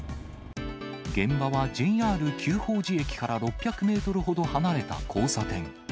現場はＪＲ久宝寺駅から６００メートルほど離れた交差点。